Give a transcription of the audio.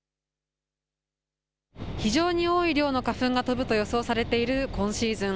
非常に多い量の花粉が飛ぶと予想されている今シーズン。